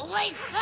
あ！